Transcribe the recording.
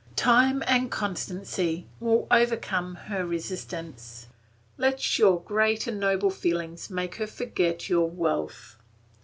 Time and constancy will overcome her resistance; let your great and noble feelings make her forget your wealth.